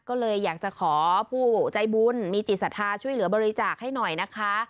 ก็เลยอยากจะขอผู้ใจบุญมีจิตศรัทธาช่วยเหลือบริจาคให้หน่อยนะคะ